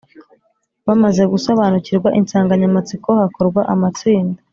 Bamaze gusobanukirwa insanganyamatsiko hakorwa amatsinda